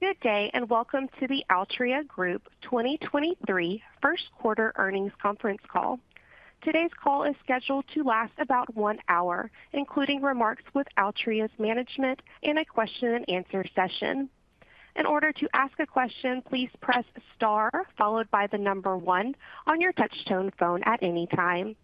Good day, and welcome to the Altria Group 2023 first quarter earnings conference call. Today's call is scheduled to last about one hour, including remarks with Altria's management and a question and answer session. In order to ask a question, please press star followed by the number 1 on your touch-tone phone at any time.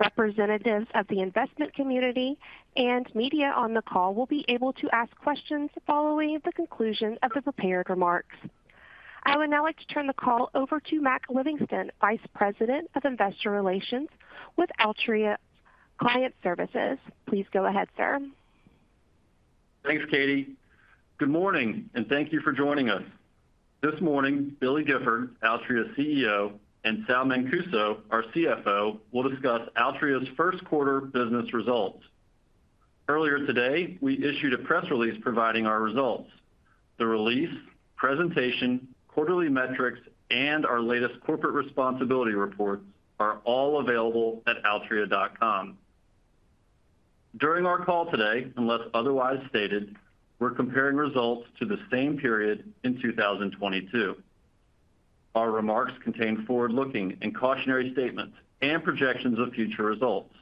Representatives of the investment community and media on the call will be able to ask questions following the conclusion of the prepared remarks. I would now like to turn the call over to Mac Livingston, Vice President of Investor Relations with Altria Client Services. Please go ahead, sir. Thanks, Katie. Good morning, and thank you for joining us. This morning, Billy Gifford, Altria's CEO, and Sal Mancuso, our CFO, will discuss Altria's first quarter business results. Earlier today, we issued a press release providing our results. The release, presentation, quarterly metrics, and our latest corporate responsibility report are all available at altria.com. During our call today, unless otherwise stated, we're comparing results to the same period in 2022. Our remarks contain forward-looking and cautionary statements and projections of future results.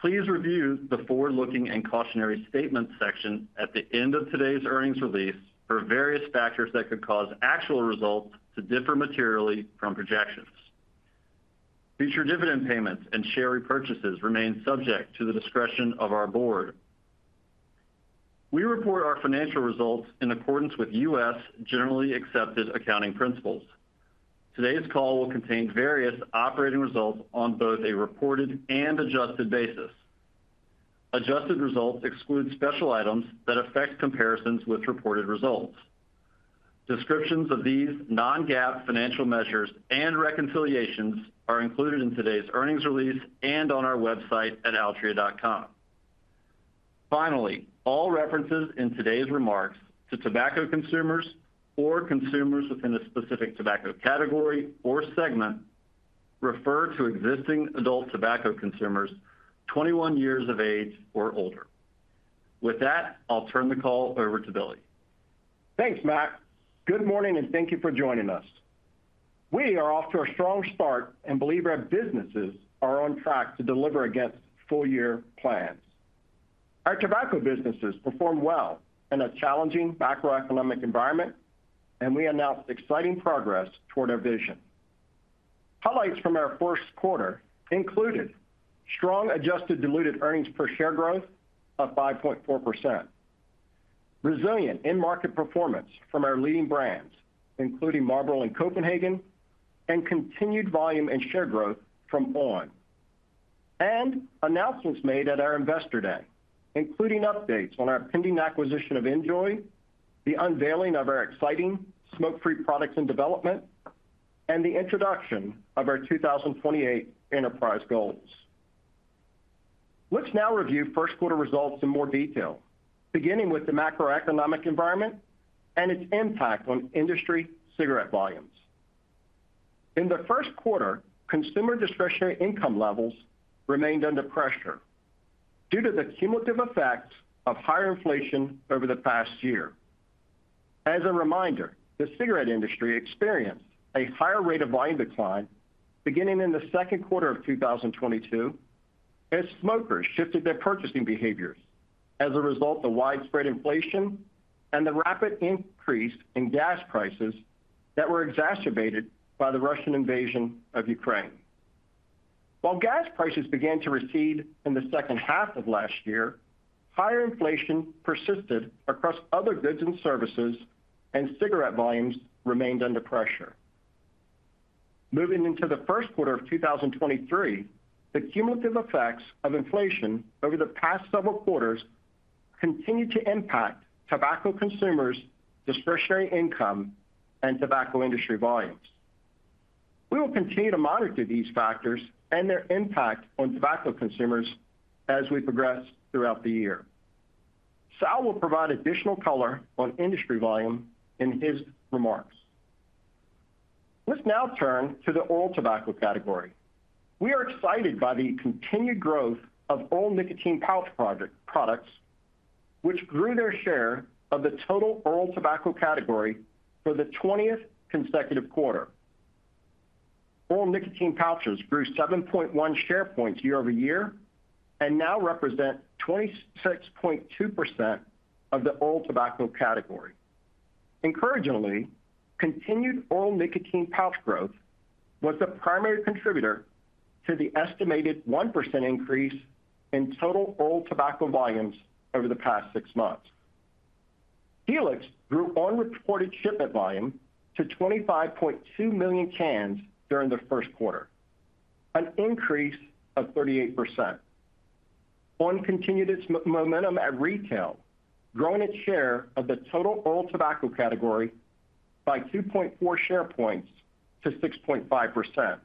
Please review the forward-looking and cautionary statements section at the end of today's earnings release for various factors that could cause actual results to differ materially from projections. Future dividend payments and share repurchases remain subject to the discretion of our board. We report our financial results in accordance with U.S. generally accepted accounting principles. Today's call will contain various operating results on both a reported and adjusted basis. Adjusted results exclude special items that affect comparisons with reported results. Descriptions of these non-GAAP financial measures and reconciliations are included in today's earnings release and on our website at altria.com. Finally, all references in today's remarks to tobacco consumers or consumers within a specific tobacco category or segment refer to existing adult tobacco consumers 21 years of age or older. With that, I'll turn the call over to Billy. Thanks, Mac. Good morning, and thank you for joining us. We are off to a strong start and believe our businesses are on track to deliver against full-year plans. Our tobacco businesses performed well in a challenging macroeconomic environment, and we announced exciting progress toward our vision. Highlights from our first quarter included strong adjusted diluted earnings per share growth of 5.4%, resilient end market performance from our leading brands, including Marlboro and Copenhagen, and continued volume and share growth from on!. Announcements made at our Investor Day, including updates on our pending acquisition of NJOY, the unveiling of our exciting smoke-free products and development, and the introduction of our 2028 enterprise goals. Let's now review first quarter results in more detail, beginning with the macroeconomic environment and its impact on industry cigarette volumes. In the first quarter, consumer discretionary income levels remained under pressure due to the cumulative effects of higher inflation over the past year. As a reminder, the cigarette industry experienced a higher rate of volume decline beginning in the second quarter of 2022 as smokers shifted their purchasing behaviors as a result of the widespread inflation and the rapid increase in gas prices that were exacerbated by the Russian invasion of Ukraine. While gas prices began to recede in the second half of last year, higher inflation persisted across other goods and services, and cigarette volumes remained under pressure. Moving into the first quarter of 2023, the cumulative effects of inflation over the past several quarters continued to impact tobacco consumers' discretionary income and tobacco industry volumes. We will continue to monitor these factors and their impact on tobacco consumers as we progress throughout the year. Sal will provide additional color on industry volume in his remarks. Let's now turn to the oral tobacco category. We are excited by the continued growth of oral nicotine pouch project products, which grew their share of the total oral tobacco category for the twentieth consecutive quarter. Oral nicotine pouches grew 7.1 share points year-over-year and now represent 26.2% of the oral tobacco category. Encouragingly, continued oral nicotine pouch growth was the primary contributor to the estimated 1% increase in total oral tobacco volumes over the past six months. [on!] grew on reported shipment volume to 25.2 million cans during the first quarter, an increase of 38%. On! continued its momentum at retail, growing its share of the total oral tobacco category by 2.4 share points to 6.5%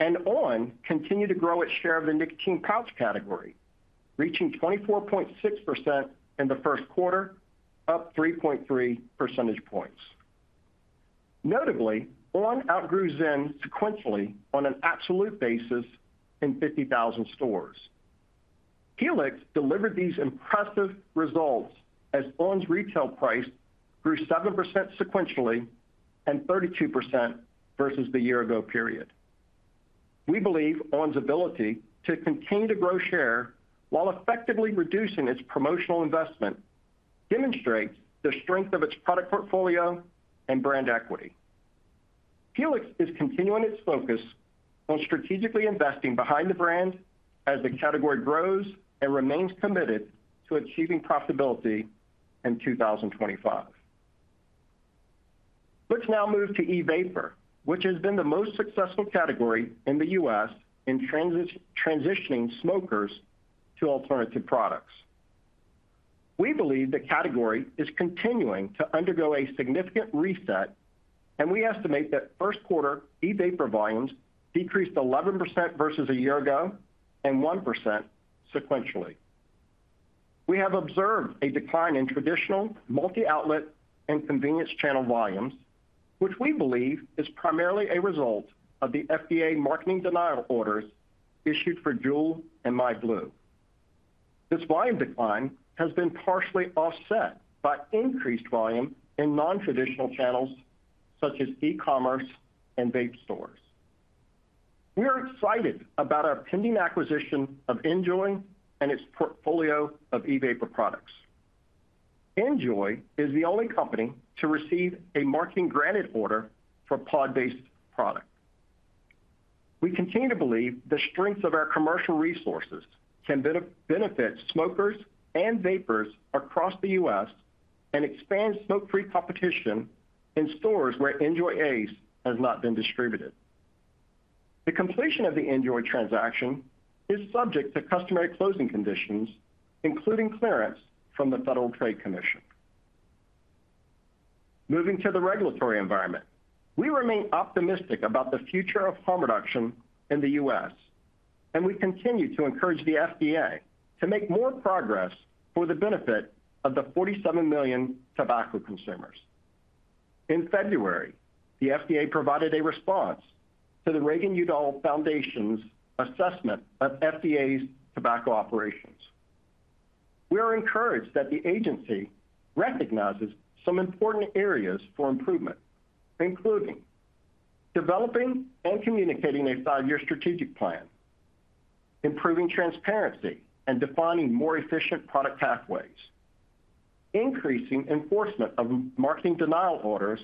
and on! continued to grow its share of the nicotine pouch category, reaching 24.6% in the first quarter, up 3.3 percentage points. Notably, on! outgrew ZYN sequentially on an absolute basis in 50,000 stores. Helix delivered these impressive results as on! retail price grew 7% sequentially and 32% versus the year ago period. We believe on!'s ability to continue to grow share while effectively reducing its promotional investment demonstrates the strength of its product portfolio and brand equity. Helix is continuing its focus on strategically investing behind the brand as the category grows and remains committed to achieving profitability in 2025. Let's now move to e-vapor, which has been the most successful category in the U.S. in transitioning smokers to alternative products. We believe the category is continuing to undergo a significant reset, and we estimate that first quarter e-vapor volumes decreased 11% versus a year ago and 1% sequentially. We have observed a decline in traditional multi-outlet and convenience channel volumes, which we believe is primarily a result of the FDA marketing denial orders issued for JUUL and myblu. This volume decline has been partially offset by increased volume in non-traditional channels such as e-commerce and vape stores. We are excited about our pending acquisition of NJOY and its portfolio of e-vapor products. NJOY is the only company to receive a marketing granted order for pod-based product. We continue to believe the strength of our commercial resources can benefit smokers and vapers across the U.S. and expand smoke-free competition in stores where NJOY ACE has not been distributed. The completion of the NJOY transaction is subject to customary closing conditions, including clearance from the Federal Trade Commission. Moving to the regulatory environment, we remain optimistic about the future of harm reduction in the U.S., and we continue to encourage the FDA to make more progress for the benefit of the 47 million tobacco consumers. In February, the FDA provided a response to the Reagan-Udall Foundation's assessment of FDA's tobacco operations. We are encouraged that the agency recognizes some important areas for improvement, including developing and communicating a five-year strategic plan, improving transparency and defining more efficient product pathways, increasing enforcement of marketing denial orders,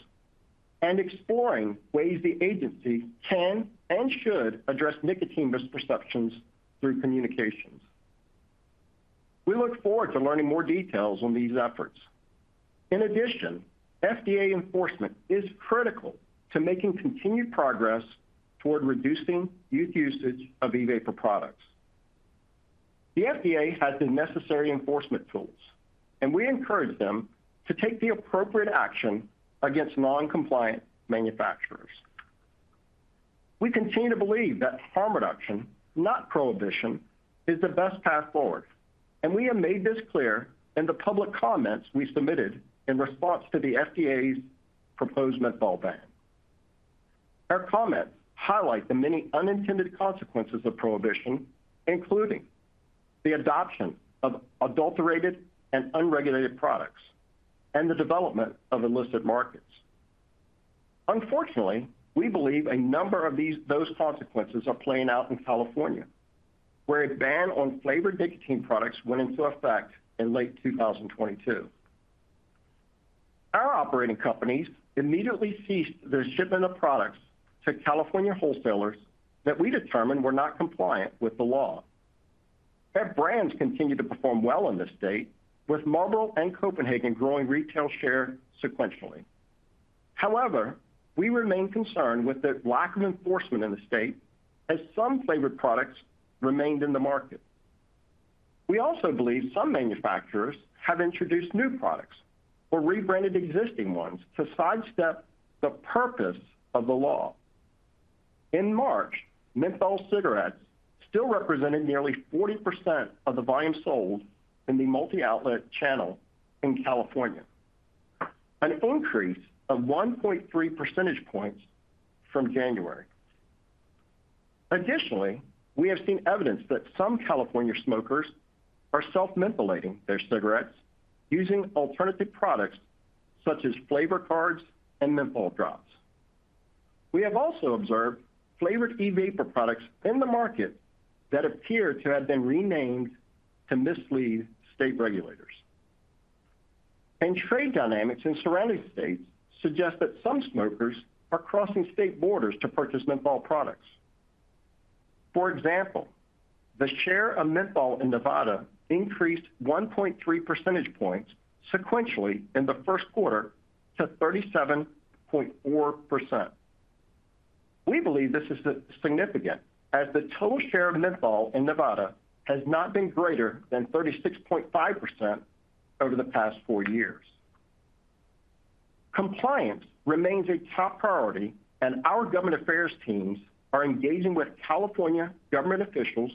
and exploring ways the agency can and should address nicotine misperceptions through communications. We look forward to learning more details on these efforts. In addition, FDA enforcement is critical to making continued progress toward reducing youth usage of e-vapor products. The FDA has the necessary enforcement tools, and we encourage them to take the appropriate action against non-compliant manufacturers. We continue to believe that harm reduction, not prohibition, is the best path forward, and we have made this clear in the public comments we submitted in response to the FDA's proposed menthol ban. Our comments highlight the many unintended consequences of prohibition, including the adoption of adulterated and unregulated products and the development of illicit markets. Unfortunately, we believe a number of those consequences are playing out in California, where a ban on flavored nicotine products went into effect in late 2022. Our operating companies immediately ceased their shipment of products to California wholesalers that we determined were not compliant with the law. Their brands continued to perform well in the state, with Marlboro and Copenhagen growing retail share sequentially. However, we remain concerned with the lack of enforcement in the state as some flavored products remained in the market. We also believe some manufacturers have introduced new products or rebranded existing ones to sidestep the purpose of the law. In March, menthol cigarettes still represented nearly 40% of the volume sold in the multi-outlet channel in California, an increase of 1.3 percentage points from January. Additionally, we have seen evidence that some California smokers are self-mentholating their cigarettes using alternative products such as flavor cards and menthol drops. We have also observed flavored e-vapor products in the market that appear to have been renamed to mislead state regulators. Trade dynamics in surrounding states suggest that some smokers are crossing state borders to purchase menthol products. For example, the share of menthol in Nevada increased 1.3 percentage points sequentially in the first quarter to 37.4%. We believe this is significant as the total share of menthol in Nevada has not been greater than 36.5% over the past four years. Compliance remains a top priority, and our government affairs teams are engaging with California government officials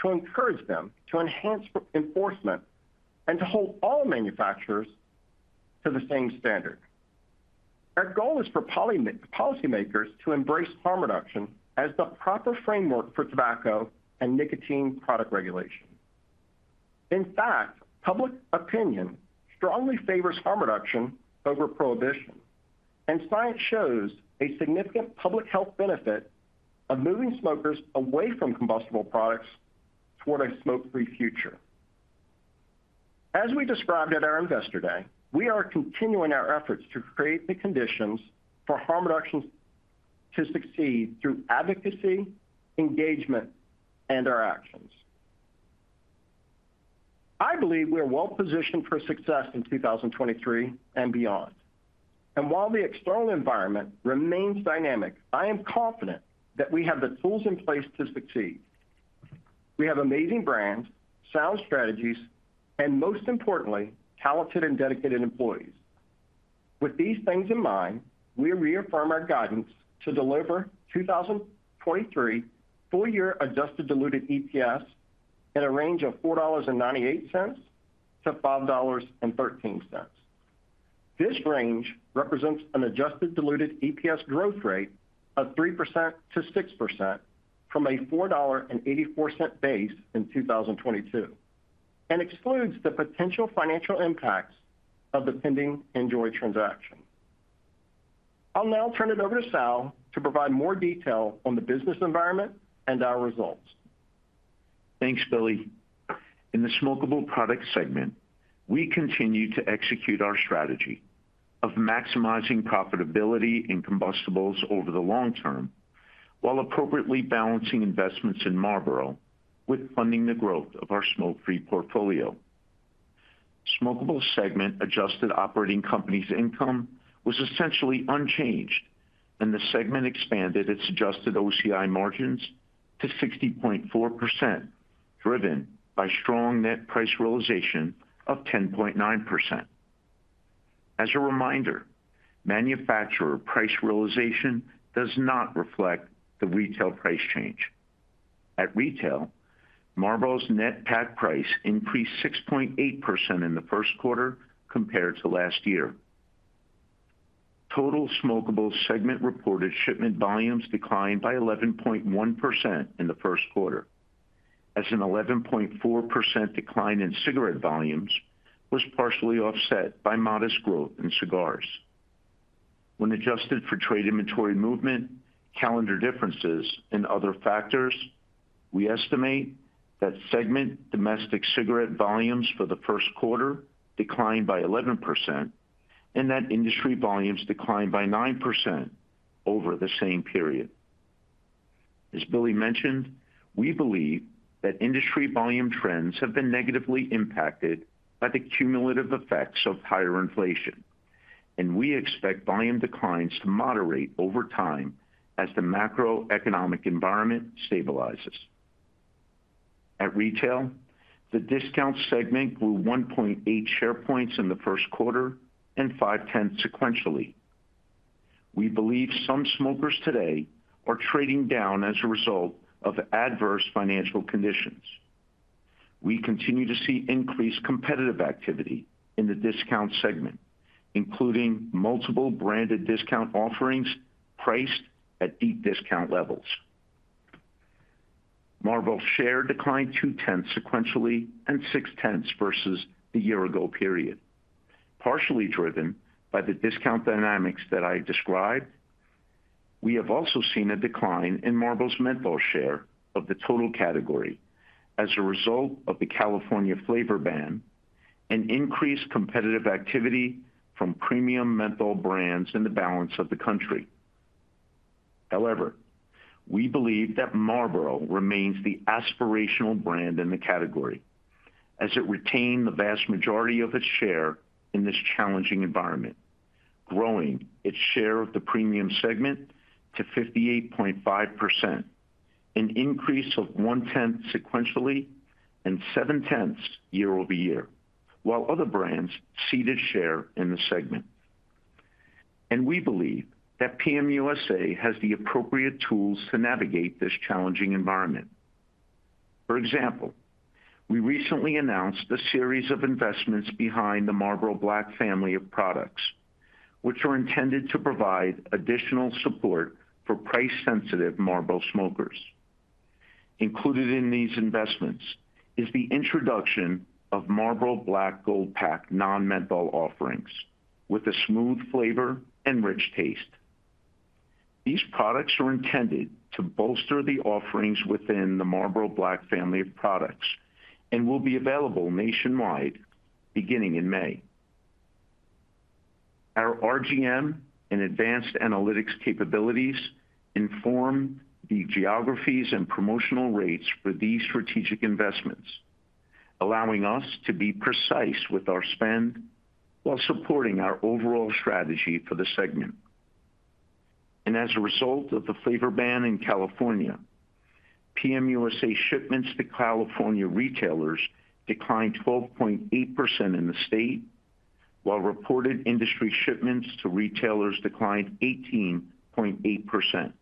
to encourage them to enhance enforcement and to hold all manufacturers to the same standard. Our goal is for policymakers to embrace harm reduction as the proper framework for tobacco and nicotine product regulation. In fact, public opinion strongly favors harm reduction over prohibition, and science shows a significant public health benefit of moving smokers away from combustible products toward a smoke-free future. As we described at our Investor Day, we are continuing our efforts to create the conditions for harm reduction to succeed through advocacy, engagement, and our actions. I believe we are well positioned for success in 2023 and beyond. While the external environment remains dynamic, I am confident that we have the tools in place to succeed. We have amazing brands, sound strategies, and most importantly, talented and dedicated employees. With these things in mind, we reaffirm our guidance to deliver 2023 full year adjusted diluted EPS in a range of $4.98-$5.13. This range represents an adjusted diluted EPS growth rate of 3%-6% from a $4.84 base in 2022, and excludes the potential financial impacts of the pending NJOY transaction. I'll now turn it over to Sal to provide more detail on the business environment and our results. Thanks, Billy. In the smokable product segment, we continue to execute our strategy of maximizing profitability in combustibles over the long term while appropriately balancing investments in Marlboro with funding the growth of our smoke-free portfolio. Smokable segment adjusted Operating Companies' Income was essentially unchanged, and the segment expanded its adjusted OCI margins to 60.4%, driven by strong net price realization of 10.9%. As a reminder, manufacturer price realization does not reflect the retail price change. At retail, Marlboro's net pack price increased 6.8% in the first quarter compared to last year. Total smokable segment reported shipment volumes declined by 11.1% in the first quarter as an 11.4% decline in cigarette volumes was partially offset by modest growth in cigars. When adjusted for trade inventory movement, calendar differences and other factors, we estimate that segment domestic cigarette volumes for the first quarter declined by 11% and that industry volumes declined by 9% over the same period. As Billy mentioned, we believe that industry volume trends have been negatively impacted by the cumulative effects of higher inflation, and we expect volume declines to moderate over time as the macroeconomic environment stabilizes. At retail, the discount segment grew 1.8 share points in the first quarter and 0.5 sequentially. We believe some smokers today are trading down as a result of adverse financial conditions. We continue to see increased competitive activity in the discount segment, including multiple branded discount offerings priced at deep discount levels. Marlboro share declined 0.2 sequentially and 0.6 versus the year ago period. Partially driven by the discount dynamics that I described, we have also seen a decline in Marlboro Menthol share of the total category as a result of the California flavor ban and increased competitive activity from premium menthol brands in the balance of the country. We believe that Marlboro remains the aspirational brand in the category as it retained the vast majority of its share in this challenging environment, growing its share of the premium segment to 58.5%, an increase of 0.1 sequentially and 0.7 year-over-year, while other brands ceded share in the segment. We believe that PM USA has the appropriate tools to navigate this challenging environment. For example, we recently announced a series of investments behind the Marlboro Black family of products, which are intended to provide additional support for price-sensitive Marlboro smokers. Included in these investments is the introduction of Marlboro Black Gold pack non-menthol offerings with a smooth flavor and rich taste. These products are intended to bolster the offerings within the Marlboro Black family of products and will be available nationwide beginning in May. Our RGM and advanced analytics capabilities inform the geographies and promotional rates for these strategic investments, allowing us to be precise with our spend while supporting our overall strategy for the segment. As a result of the flavor ban in California, PM USA shipments to California retailers declined 12.8% in the state, while reported industry shipments to retailers declined 18.8%.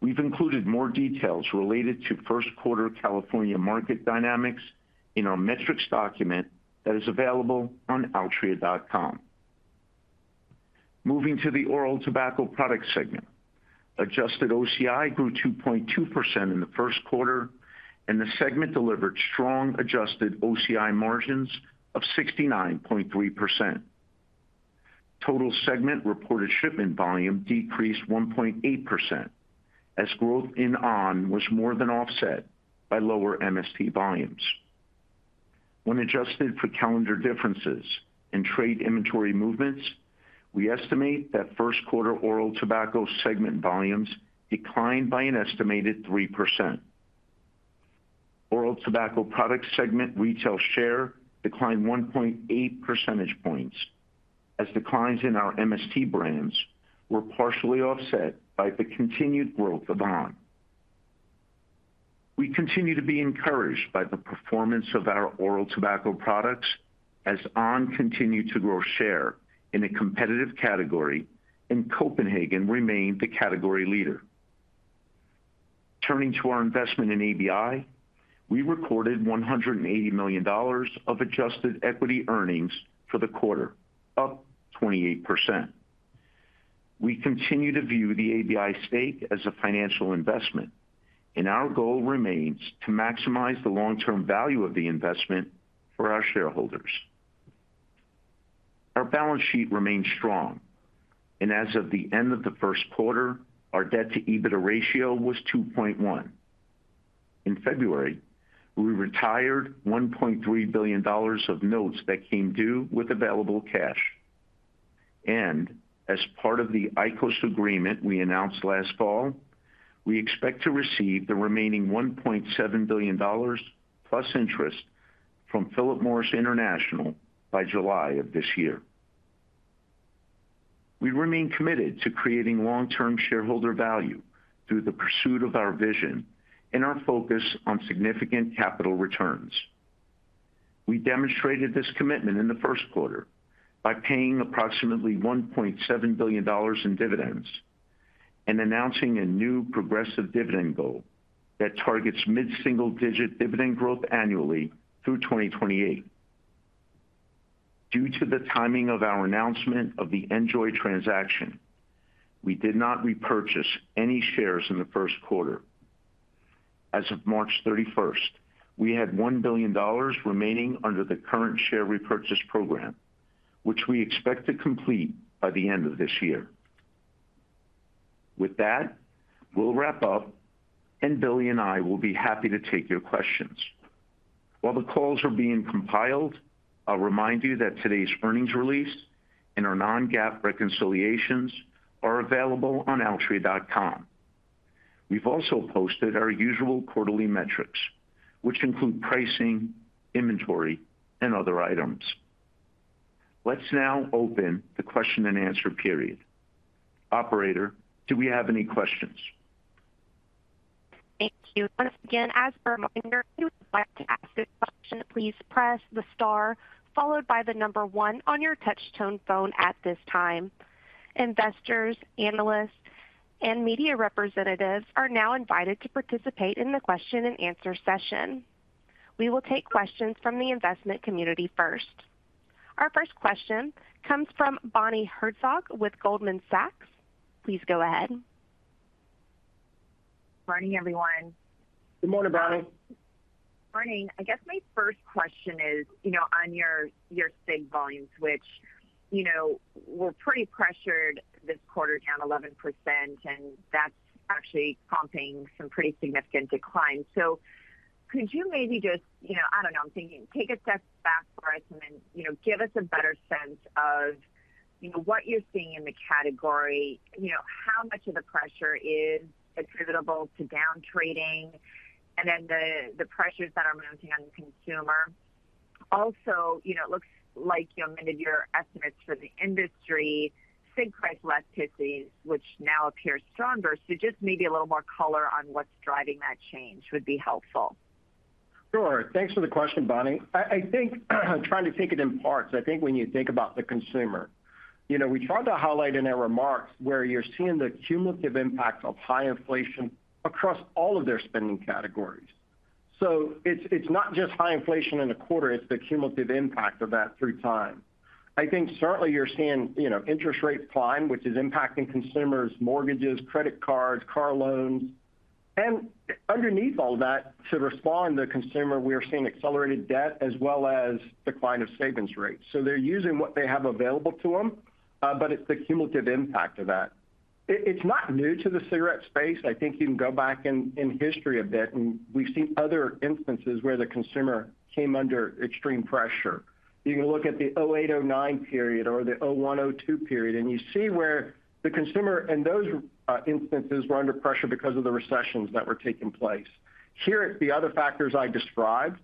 We've included more details related to first quarter California market dynamics in our metrics document that is available on altria.com. Moving to the oral tobacco product segment. Adjusted OCI grew 2.2% in the first quarter, and the segment delivered strong adjusted OCI margins of 69.3%. Total segment reported shipment volume decreased 1.8% as growth in on! was more than offset by lower MST volumes. When adjusted for calendar differences and trade inventory movements, we estimate that first quarter oral tobacco segment volumes declined by an estimated 3%. Oral tobacco products segment retail share declined 1.8 percentage points as declines in our MST brands were partially offset by the continued growth of on!. We continue to be encouraged by the performance of our oral tobacco products as on! continued to grow share in a competitive category and Copenhagen remained the category leader. Turning to our investment in ABI, we recorded $180 million of adjusted equity earnings for the quarter, up 28%. We continue to view the ABI stake as a financial investment and our goal remains to maximize the long-term value of the investment for our shareholders. As of the end of the first quarter, our debt to EBITDA ratio was 2.1. In February, we retired $1.3 billion of notes that came due with available cash. As part of the IQOS agreement we announced last fall, we expect to receive the remaining $1.7 billion plus interest from Philip Morris International by July of this year. We remain committed to creating long-term shareholder value through the pursuit of our vision and our focus on significant capital returns. We demonstrated this commitment in the first quarter by paying approximately $1.7 billion in dividends and announcing a new progressive dividend goal that targets mid-single-digit dividend growth annually through 2028. Due to the timing of our announcement of the NJOY transaction, we did not repurchase any shares in the first quarter. As of March 31st, we had $1 billion remaining under the current share repurchase program, which we expect to complete by the end of this year. With that, we'll wrap up, and Billy and I will be happy to take your questions. While the calls are being compiled, I'll remind you that today's earnings release and our non-GAAP reconciliations are available on altria.com. We've also posted our usual quarterly metrics, which include pricing, inventory, and other items. Let's now open the question-and-answer period. Operator, do we have any questions? Thank you. Once again, as a reminder, if you'd like to ask a question, please press the star followed by the number one on your touch tone phone at this time. Investors, analysts, and media representatives are now invited to participate in the question-and-answer session. We will take questions from the investment community first. Our first question comes from Bonnie Herzog with Goldman Sachs. Please go ahead. Morning, everyone. Good morning, Bonnie. Morning. I guess my first question is, you know, on your cig volumes, which, you know, were pretty pressured this quarter, down 11%, and that's actually prompting some pretty significant declines. Could you maybe just, you know, I don't know, I'm thinking take a step back for us and then, you know, give us a better sense of, you know, what you're seeing in the category? You know, how much of the pressure is attributable to down trading and then the pressures that are mounting on consumer? You know, it looks like you amended your estimates for the industry cig price elasticity, which now appears stronger. Just maybe a little more color on what's driving that change would be helpful. Sure. Thanks for the question, Bonnie. I think trying to take it in parts, I think when you think about the consumer, you know, we tried to highlight in our remarks where you're seeing the cumulative impact of high inflation across all of their spending categories. It's, it's not just high inflation in a quarter, it's the cumulative impact of that through time. I think certainly you're seeing, you know, interest rates climb, which is impacting consumers' mortgages, credit cards, car loans. Underneath all that, to respond to the consumer, we are seeing accelerated debt as well as decline of savings rates. They're using what they have available to them, but it's the cumulative impact of that. It's not new to the cigarette space. I think you can go back in history a bit. We've seen other instances where the consumer came under extreme pressure. You can look at the 2008, 2009 period or the 2001, 2002 period. You see where the consumer in those instances were under pressure because of the recessions that were taking place. Here, the other factors I described,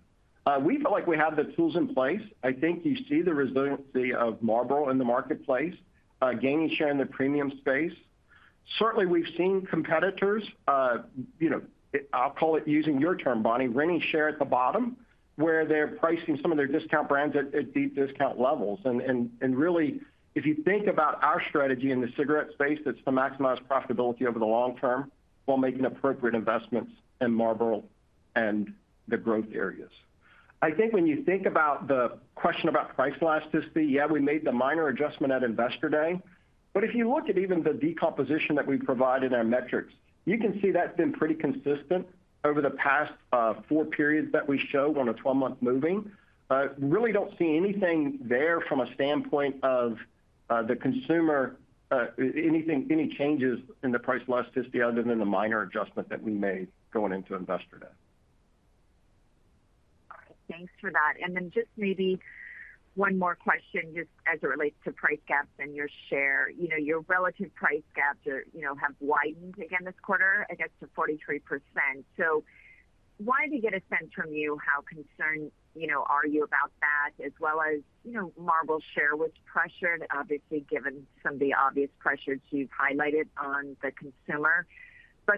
we feel like we have the tools in place. I think you see the resiliency of Marlboro in the marketplace, gaining share in the premium space. Certainly, we've seen competitors, you know, I'll call it using your term, Bonnie, renting share at the bottom, where they're pricing some of their discount brands at deep discount levels. Really, if you think about our strategy in the cigarette space, it's to maximize profitability over the long term while making appropriate investments in Marlboro and the growth areas. I think when you think about the question about price elasticity, yeah, we made the minor adjustment at Investor Day. If you look at even the decomposition that we provide in our metrics, you can see that's been pretty consistent over the past, four periods that we showed on a 12-month moving. Really don't see anything there from a standpoint of, the consumer, anything, any changes in the price elasticity other than the minor adjustment that we made going into Investor Day. All right. Thanks for that. Just maybe one more question just as it relates to price gaps and your share. You know, your relative price gaps are, you know, have widened again this quarter, I guess, to 43%. Wanted to get a sense from you how concerned, you know, are you about that as well as, you know, Marlboro share was pressured, obviously, given some of the obvious pressures you've highlighted on the consumer.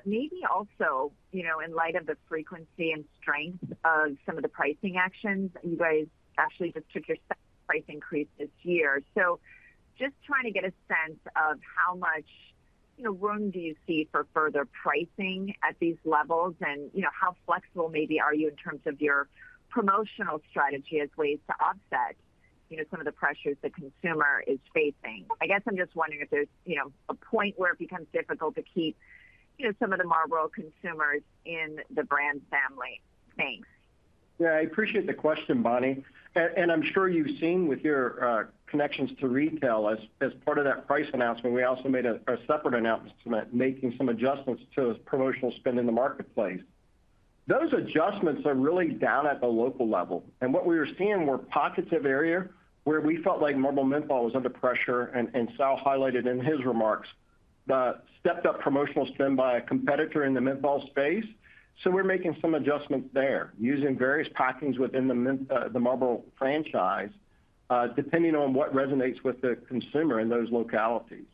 Maybe also, you know, in light of the frequency and strength of some of the pricing actions, you guys actually just took your price increase this year. Just trying to get a sense of how much, you know, room do you see for further pricing at these levels? You know, how flexible maybe are you in terms of your promotional strategy as ways to offset, you know, some of the pressures the consumer is facing? I guess I'm just wondering if there's, you know, a point where it becomes difficult to keep, you know, some of the Marlboro consumers in the brand family. Thanks. Yeah, I appreciate the question, Bonnie. I'm sure you've seen with your connections to retail as part of that price announcement, we also made a separate announcement making some adjustments to promotional spend in the marketplace. Those adjustments are really down at the local level. What we were seeing were pockets of area where we felt like Marlboro Menthol was under pressure, and Sal highlighted in his remarks the stepped up promotional spend by a competitor in the menthol space. We're making some adjustments there using various packings within the Marlboro franchise, depending on what resonates with the consumer in those localities.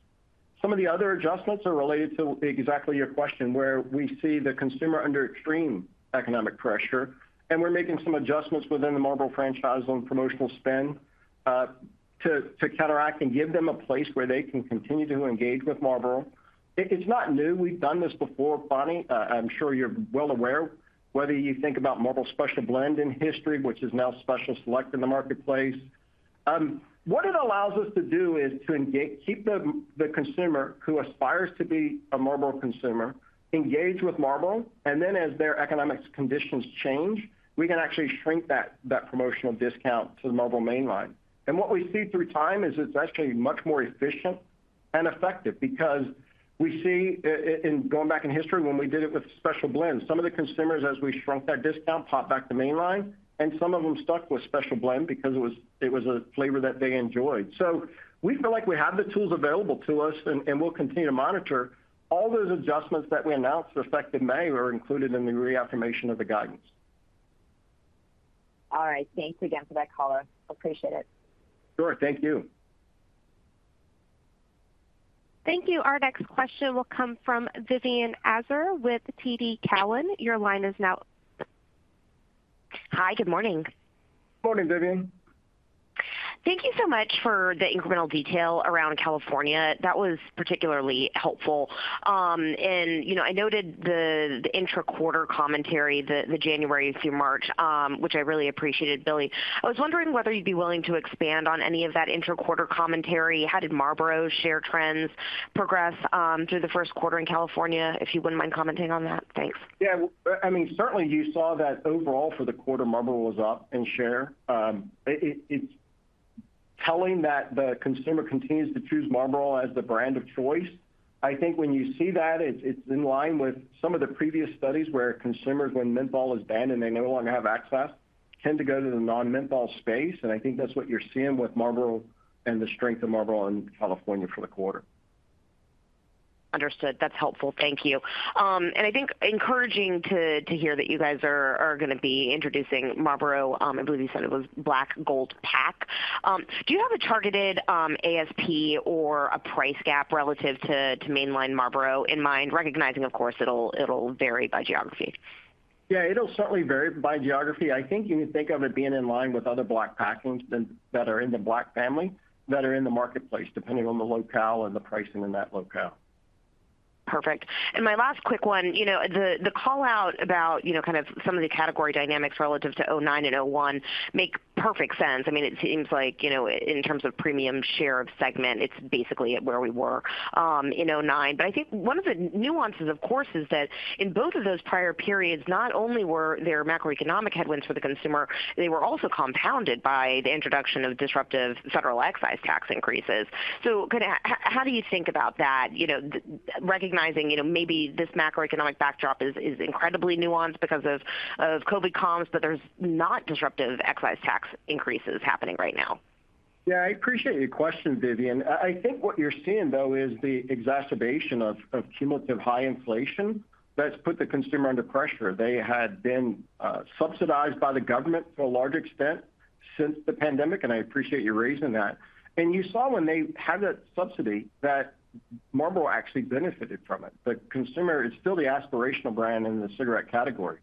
Some of the other adjustments are related to exactly your question, where we see the consumer under extreme economic pressure, and we're making some adjustments within the Marlboro franchise on promotional spend to counteract and give them a place where they can continue to engage with Marlboro. It is not new. We've done this before, Bonnie. I'm sure you're well aware whether you think about Marlboro Special Blend in history, which is now Special Select in the marketplace. What it allows us to do is to keep the consumer who aspires to be a Marlboro consumer engaged with Marlboro, and then as their economics conditions change, we can actually shrink that promotional discount to the Marlboro main line. What we see through time is it's actually much more efficient and effective because we see in going back in history when we did it with Special Blend, some of the consumers, as we shrunk that discount, popped back to main line, and some of them stuck with Special Blend because it was a flavor that they enjoyed. We feel like we have the tools available to us and we'll continue to monitor all those adjustments that we announced effective May were included in the reaffirmation of the guidance. All right. Thanks again for that color. Appreciate it. Sure. Thank you. Thank you. Our next question will come from Vivien Azer with TD Cowen. Your line is now. Hi. Good morning. Morning, Vivien. Thank you so much for the incremental detail around California. That was particularly helpful. You know, I noted the intra-quarter commentary, the January through March, which I really appreciated, Billy. I was wondering whether you'd be willing to expand on any of that intra-quarter commentary. How did Marlboro share trends progress through the first quarter in California, if you wouldn't mind commenting on that? Thanks. I mean, certainly you saw that overall for the quarter, Marlboro was up in share. It's telling that the consumer continues to choose Marlboro as the brand of choice. I think when you see that it's in line with some of the previous studies where consumers, when menthol is banned and they no longer have access, tend to go to the non-menthol space, and I think that's what you're seeing with Marlboro and the strength of Marlboro in California for the quarter. Understood. That's helpful. Thank you. I think encouraging to hear that you guys are gonna be introducing Marlboro Black Gold Pack. Do you have a targeted ASP or a price gap relative to main line Marlboro in mind? Recognizing, of course, it'll vary by geography. Yeah, it'll certainly vary by geography. I think you can think of it being in line with other Black packings that are in the Black family that are in the marketplace, depending on the locale and the pricing in that locale. Perfect. My last quick one. The call-out about, kind of some of the category dynamics relative to 2009 and 2001 make perfect sense. I mean, it seems like, in terms of premium share of segment, it's basically at where we were in 2009. I think one of the nuances, of course, is that in both of those prior periods, not only were there macroeconomic headwinds for the consumer, they were also compounded by the introduction of disruptive federal excise tax increases. How do you think about that? Recognizing, maybe this macroeconomic backdrop is incredibly nuanced because of COVID comms, but there's not disruptive excise tax increases happening right now. Yeah, I appreciate your question, Vivien. I think what you're seeing, though, is the exacerbation of cumulative high inflation that's put the consumer under pressure. They had been subsidized by the government to a large extent since the pandemic, and I appreciate you raising that. You saw when they had that subsidy that Marlboro actually benefited from it. The consumer is still the aspirational brand in the cigarette category.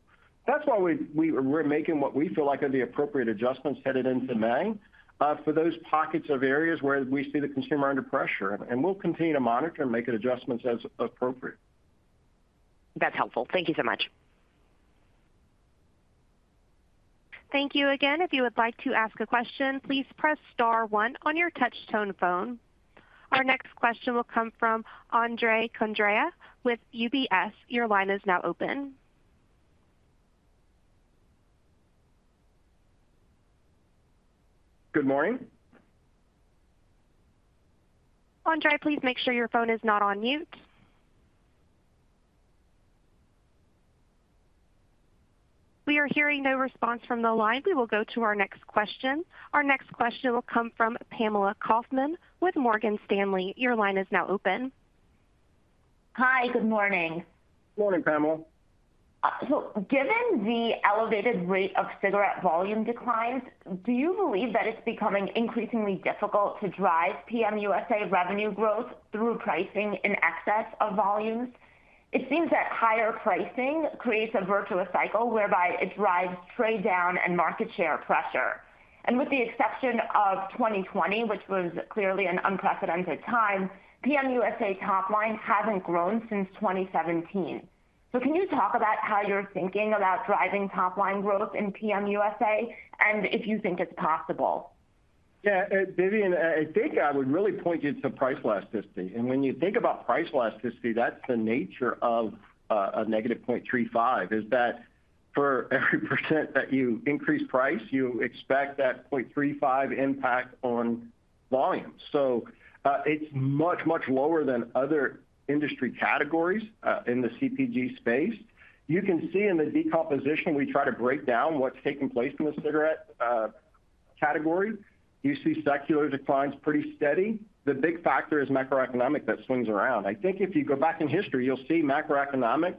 That's why we're making what we feel like are the appropriate adjustments headed into May for those pockets of areas where we see the consumer under pressure, and we'll continue to monitor and make adjustments as appropriate. That's helpful. Thank you so much. Thank you again. If you would like to ask a question, please press star one on your touch tone phone. Our next question will come from Andrei Condrea with UBS. Your line is now open. Good morning. Andre, please make sure your phone is not on mute. We are hearing no response from the line. We will go to our next question. Our next question will come from Pamela Kaufman with Morgan Stanley. Your line is now open. Hi. Good morning. Morning, Pamela. Given the elevated rate of cigarette volume declines, do you believe that it's becoming increasingly difficult to drive PM USA revenue growth through pricing in excess of volumes? It seems that higher pricing creates a virtuous cycle whereby it drives trade down and market share pressure. With the exception of 2020, which was clearly an unprecedented time, PM USA top line hasn't grown since 2017. Can you talk about how you're thinking about driving top line growth in PM USA, and if you think it's possible? Yeah, Vivien, I think I would really point you to price elasticity. When you think about price elasticity, that's the nature of a -0.35, is that for every % that you increase price, you expect that 0.35 impact on volume. It's much, much lower than other industry categories in the CPG space. You can see in the decomposition, we try to break down what's taking place in the cigarette category. You see secular declines pretty steady. The big factor is macroeconomic that swings around. I think if you go back in history, you'll see macroeconomic,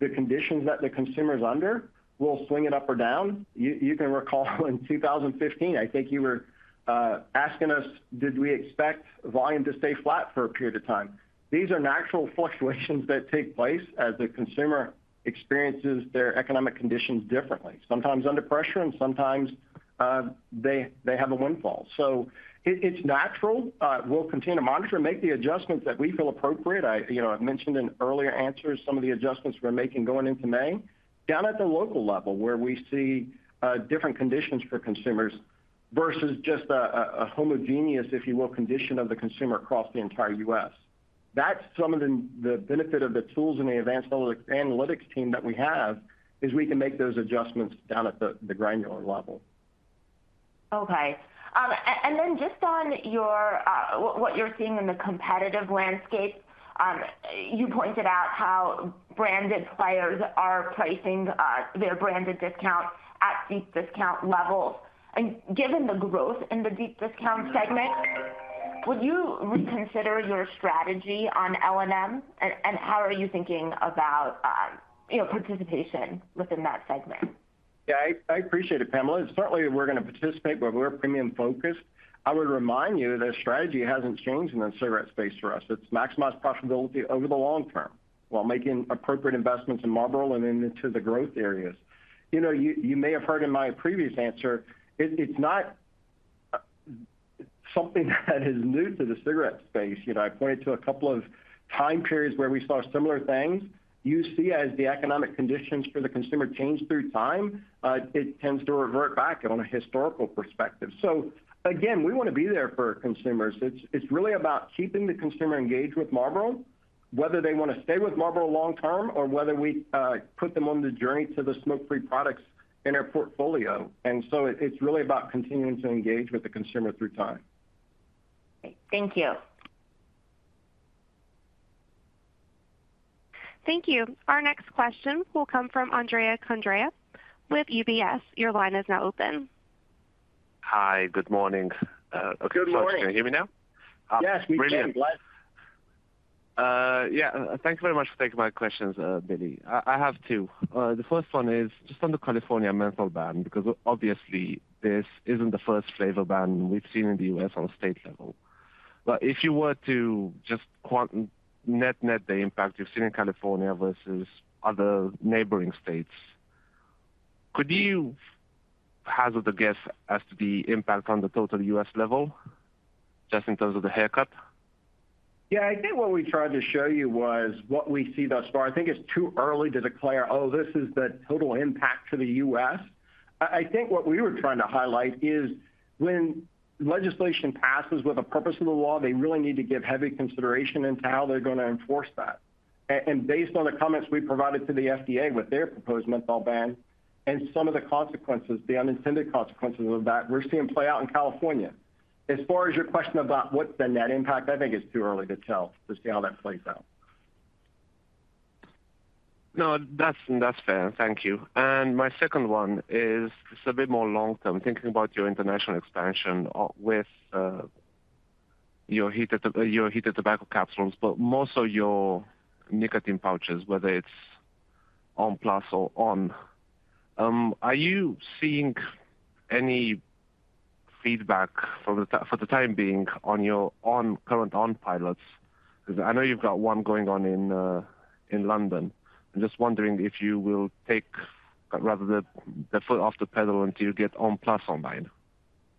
the conditions that the consumer is under will swing it up or down. You can recall in 2015, I think you were asking us did we expect volume to stay flat for a period of time. These are natural fluctuations that take place as the consumer experiences their economic conditions differently, sometimes under pressure and sometimes, they have a windfall. It's natural. We'll continue to monitor and make the adjustments that we feel appropriate. I, you know, I've mentioned in earlier answers some of the adjustments we're making going into May down at the local level where we see different conditions for consumers versus just a homogeneous, if you will, condition of the consumer across the entire U.S. That's some of the benefit of the tools and the advanced analytics team that we have, is we can make those adjustments down at the granular level. Okay. Just on your, what you're seeing in the competitive landscape, you pointed out how branded suppliers are pricing, their branded discounts at deep discount levels. Given the growth in the deep discount segment, would you reconsider your strategy on L&M? How are you thinking about, you know, participation within that segment? I appreciate it, Pamela. Certainly we're going to participate, but we're premium focused. I would remind you that strategy hasn't changed in the cigarette space for us. It's maximize profitability over the long term while making appropriate investments in Marlboro and into the growth areas. You know, you may have heard in my previous answer, it's not something that is new to the cigarette space. You know, I pointed to a couple of time periods where we saw similar things. You see as the economic conditions for the consumer change through time, it tends to revert back on a historical perspective. Again, we want to be there for consumers. It's really about keeping the consumer engaged with Marlboro, whether they want to stay with Marlboro long term or whether we put them on the journey to the smoke-free products in our portfolio. It's really about continuing to engage with the consumer through time. Thank you. Thank you. Our next question will come from Andrei Condrea with UBS. Your line is now open. Hi. Good morning. Okay. Good morning. Can you hear me now? Yes, we can. Brilliant. Yeah, thank you very much for taking my questions, Billy. I have two. The first one is just on the California menthol ban, because obviously this isn't the first flavor ban we've seen in the U.S. on a state level. If you were to just net the impact you've seen in California versus other neighboring states, could you hazard a guess as to the impact on the total U.S. level just in terms of the haircut? I think what we tried to show you was what we see thus far. I think it's too early to declare, oh, this is the total impact to the U.S. I think what we were trying to highlight is when legislation passes with the purpose of the law, they really need to give heavy consideration into how they're going to enforce that. And based on the comments we provided to the FDA with their proposed menthol ban and some of the consequences, the unintended consequences of that we're seeing play out in California. As far as your question about what the net impact, I think it's too early to tell to see how that plays out. No, that's fair. Thank you. My second one is just a bit more long-term, thinking about your international expansion with your heated tobacco capsules, but more so your nicotine pouches, whether it's on! PLUS or on!. Are you seeing any feedback for the time being on your current on! pilots? Because I know you've got one going on in London. I'm just wondering if you will take rather the foot off the pedal until you get on! PLUS online.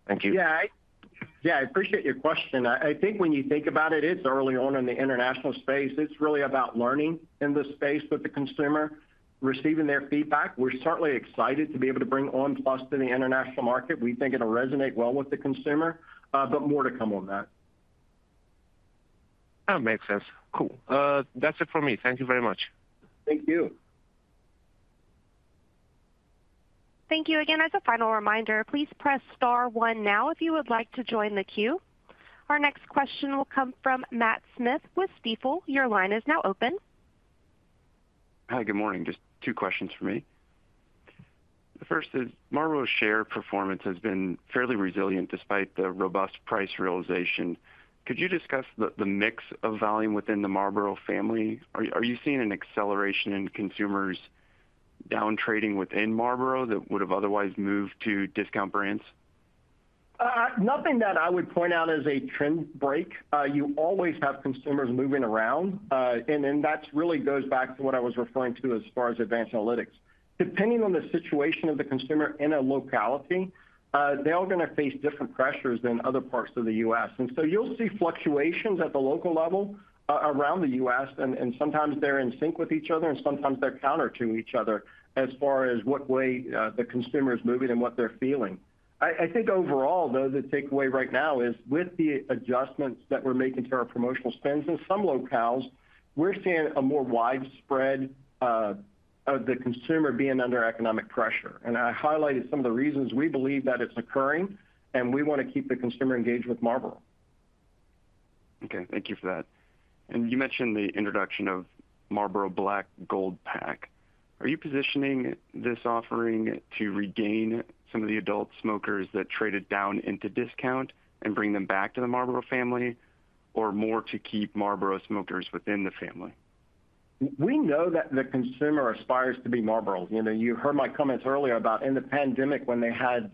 I appreciate your question. I think when you think about it's early on in the international space. It's really about learning in the space with the consumer, receiving their feedback. We're certainly excited to be able to bring on! PLUS to the international market. We think it'll resonate well with the consumer. More to come on that. That makes sense. Cool. That's it for me. Thank you very much. Thank you. Thank you again. As a final reminder, please press star one now if you would like to join the queue. Our next question will come from Matt Smith with Stifel. Your line is now open. Hi, good morning. Just two questions for me. The first is Marlboro share performance has been fairly resilient despite the robust price realization. Could you discuss the mix of volume within the Marlboro family? Are you seeing an acceleration in consumers down trading within Marlboro that would've otherwise moved to discount brands? Nothing that I would point out as a trend break. You always have consumers moving around, and then that's really goes back to what I was referring to as far as advanced analytics. Depending on the situation of the consumer in a locality, they are gonna face different pressures than other parts of the U.S. You'll see fluctuations at the local level around the U.S. and sometimes they're in sync with each other and sometimes they're counter to each other as far as what way, the consumer is moving and what they're feeling. I think overall though, the takeaway right now is with the adjustments that we're making to our promotional spends in some locales, we're seeing a more widespread of the consumer being under economic pressure. I highlighted some of the reasons we believe that it's occurring and we want to keep the consumer engaged with Marlboro. Okay, thank you for that. You mentioned the introduction of Marlboro Black Gold pack. Are you positioning this offering to regain some of the adult smokers that traded down into discount and bring them back to the Marlboro family or more to keep Marlboro smokers within the family? We know that the consumer aspires to be Marlboro. You know, you heard my comments earlier about in the pandemic when they had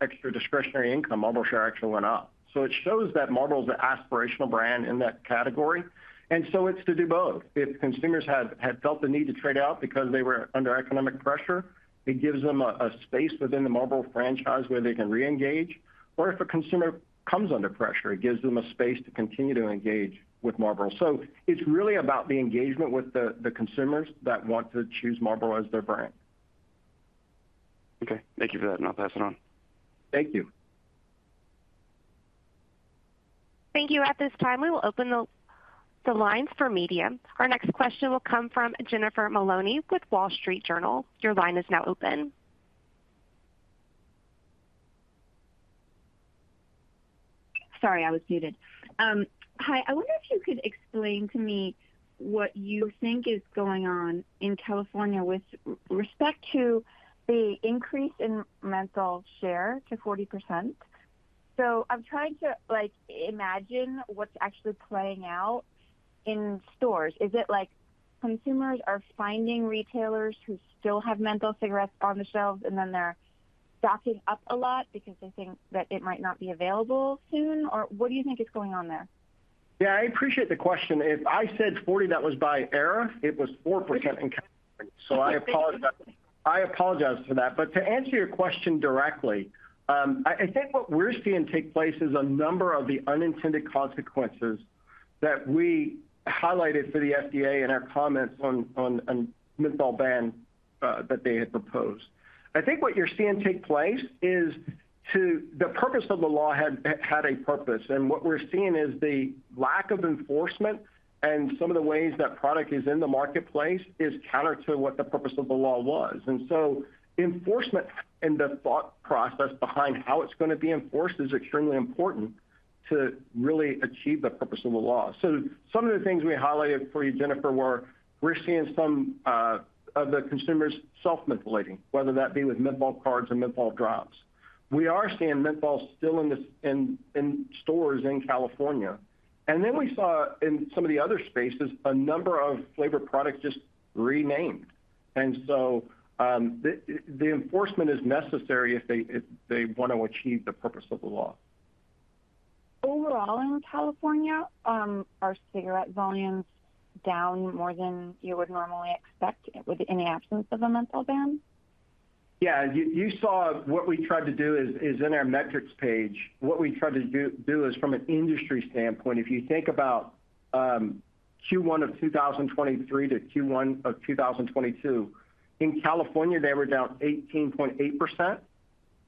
extra discretionary income, Marlboro share actually went up. It shows that Marlboro is the aspirational brand in that category. It's to do both. If consumers had felt the need to trade out because they were under economic pressure, it gives them a space within the Marlboro franchise where they can reengage, or if a consumer comes under pressure, it gives them a space to continue to engage with Marlboro. It's really about the engagement with the consumers that want to choose Marlboro as their brand. Okay, thank you for that and I'll pass it on. Thank you. Thank you. At this time, we will open the lines for media. Our next question will come from Jennifer Maloney with The Wall Street Journal. Your line is now open. Sorry, I was muted. Hi, I wonder if you could explain to me what you think is going on in California with respect to the increase in menthol share to 40%. I'm trying to like imagine what's actually playing out in stores. Is it like consumers are finding retailers who still have menthol cigarettes on the shelves and then they're stocking up a lot because they think that it might not be available soon? What do you think is going on there? Yeah, I appreciate the question. If I said 40, that was by error. It was 4% in California. Okay. I apologize. I apologize for that. To answer your question directly, I think what we're seeing take place is a number of the unintended consequences that we highlighted for the FDA in our comments on menthol ban that they had proposed. I think what you're seeing take place. The purpose of the law had a purpose, and what we're seeing is the lack of enforcement and some of the ways that product is in the marketplace is counter to what the purpose of the law was. Enforcement and the thought process behind how it's gonna be enforced is extremely important to really achieve the purpose of the law. Some of the things we highlighted for you, Jennifer, we're seeing some of the consumers self-mentholating, whether that be with menthol cards or menthol drops. We are seeing menthol still in the stores in California. We saw in some of the other spaces a number of flavor products just renamed. The enforcement is necessary if they want to achieve the purpose of the law. Overall in California, are cigarette volumes down more than you would normally expect with the absence of a menthol ban? Yeah. You saw what we tried to do is in our metrics page. What we tried to do is from an industry standpoint, if you think about Q1 of 2023 to Q1 of 2022, in California they were down 18.8%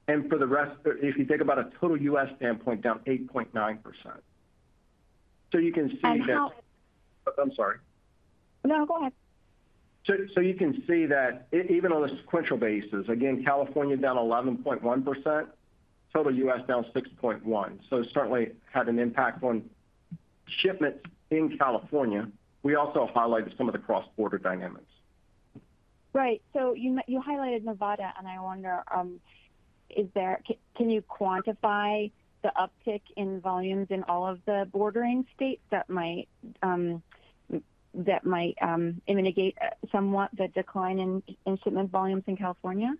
and for the rest. If you think about a total U.S. standpoint, down 8.9%. You can see that— how— I'm sorry. No, go ahead. You can see that even on a sequential basis, again, California down 11.1%, total U.S. down 6.1%. It certainly had an impact on shipments in California. We also highlighted some of the cross-border dynamics. You highlighted Nevada, and I wonder, can you quantify the uptick in volumes in all of the bordering states that might mitigate somewhat the decline in shipment volumes in California?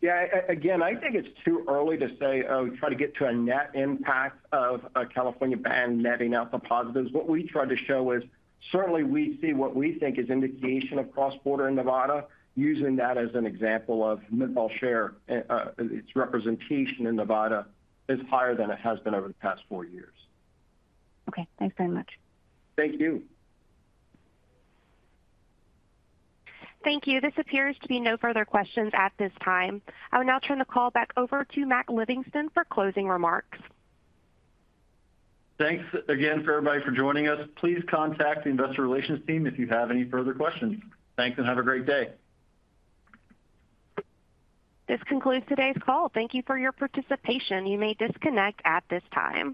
Yeah, again, I think it's too early to say, try to get to a net impact of a California ban netting out the positives. We tried to show is certainly we see what we think is indication of cross-border in Nevada, using that as an example of menthol share, its representation in Nevada is higher than it has been over the past four years. Okay, thanks very much. Thank you. Thank you. This appears to be no further questions at this time. I will now turn the call back over to Mac Livingston for closing remarks. Thanks again for everybody for joining us. Please contact the investor relations team if you have any further questions. Thanks. Have a great day. This concludes today's call. Thank you for your participation. You may disconnect at this time.